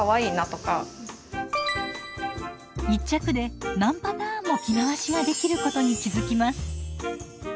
１着で何パターンも着回しができることに気付きます。